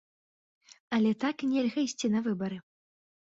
Але так нельга ісці на выбары.